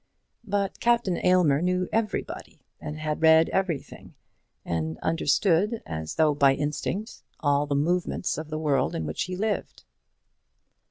But Captain Aylmer knew everybody, and had read everything, and understood, as though by instinct, all the movements of the world in which he lived.